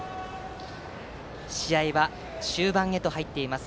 試合は終盤に入っています。